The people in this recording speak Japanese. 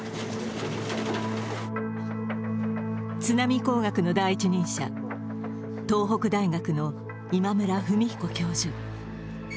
津波工学の第一人者、東北大学の今村文彦教授。